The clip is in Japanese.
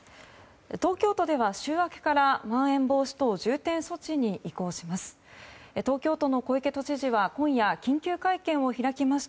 東京都では週明けからまん延防止等重点措置に移行します。